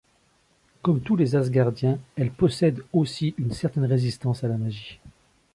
Comme tous les Asgardiens, elle possède aussi une certaine résistance à la magie.